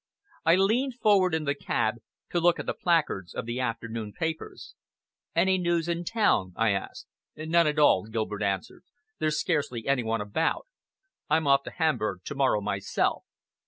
I leaned forward in the cab to look at the placards of the afternoon papers. "Any news in town?" I asked. "None at all," Gilbert answered. "There's scarcely any one about. I'm off to Hamburg to morrow myself."